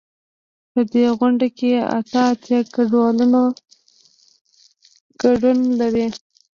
په دې غونډه کې اته اتیا ګډونوال ګډون لري.